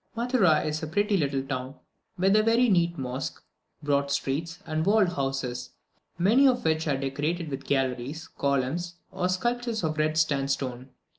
Matara is a pretty little town, with a very neat mosque, broad streets, and walled houses, many of which, indeed, are decorated with galleries, columns, or sculptures of red sandstone.